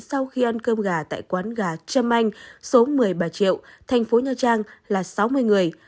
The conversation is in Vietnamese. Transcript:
sau khi ăn cơm gà tại quán gà trâm anh số một mươi bà triệu thành phố nha trang là sáu mươi người